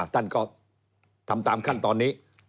ท่านก็ทำตามขั้นตอนนี้